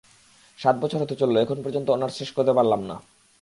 সাত বছর হতে চলল, এখন পর্যন্ত অনার্স শেষ করতে পারলাম না।